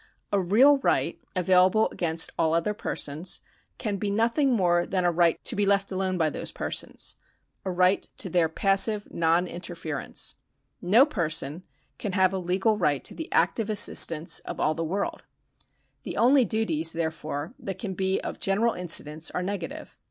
A real right, available against all other persons, can be nothing more than a right to be left alone by those persons — a right to their passive non interference. No parson can have a legal right to the active assistance of 204 tup: kinds of legal rights [§ 81 all the world. The only duties, therefore, that can be of general incidence are negative.